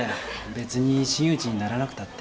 べつに真打ちにならなくたって。